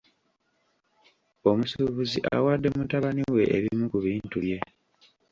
Omusuubuzi awadde mutabani we ebimu ku bintu bye.